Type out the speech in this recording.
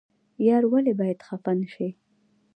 یار ولې باید خفه نشي؟